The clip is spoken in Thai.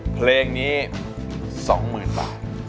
เพลงนี้๒๐๐๐บาท